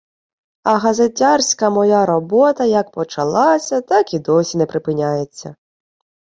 А газетярська моя робота як почалася, так і досі не припиняється.